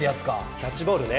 キャッチボールね。